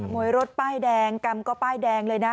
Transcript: วยรถป้ายแดงกรรมก็ป้ายแดงเลยนะ